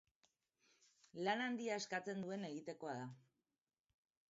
Lan handia eskatzen duen egitekoa da.